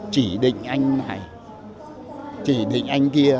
chỉ định anh này chỉ định anh kia